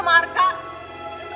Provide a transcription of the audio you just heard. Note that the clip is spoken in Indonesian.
aku gak pernah lagi kaya gitu